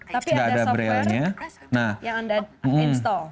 tapi ada software yang anda install